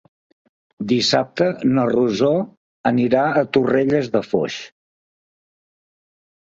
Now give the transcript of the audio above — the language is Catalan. Dissabte na Rosó irà a Torrelles de Foix.